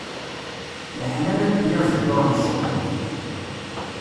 Leḥnana n tyaziḍt, ur nessuṭṭuḍ.